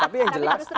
tapi yang jelas